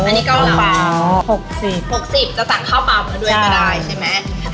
จะสั่งข้าวปลามาด้วยก็ได้ใช่ไหม